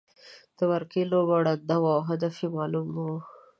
د مرګي لوبه ړنده وه او هدف یې معلوم نه وو.